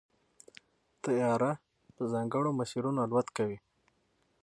طیاره په ځانګړو مسیرونو الوت کوي.